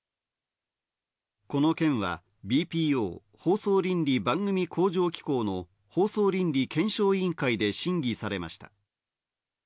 この件はＢＰＯ＝放送倫理・番組向上機構の放送倫理検証委員会で審議されました。